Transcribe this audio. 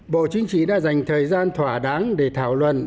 bộ chính trị đã dành thời gian thỏa đáng để thảo luận